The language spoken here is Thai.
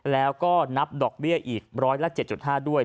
แล้วก็นับดอกเบี้ยอีก๑๐๗๕บาทด้วย